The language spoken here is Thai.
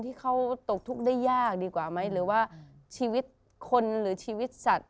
ที่เขาตกทุกข์ได้ยากดีกว่าไหมหรือว่าชีวิตคนหรือชีวิตสัตว